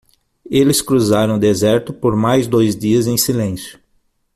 Eles cruzaram o deserto por mais dois dias em silêncio.